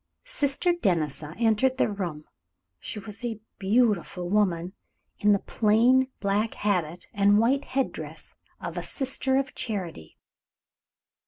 Sister Denisa entered the room. She was a beautiful woman, in the plain black habit and white head dress of a sister of charity.